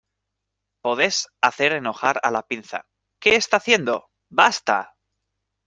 Podes hacer enojar a la pinza. ¿ qué está haciendo? ¡ basta!